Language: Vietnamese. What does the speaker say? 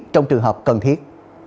trong trường hợp cần thiết